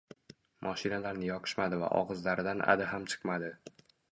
moshinalarni yoqishmadi va og‘izlaridan “adi” ham chiqmadi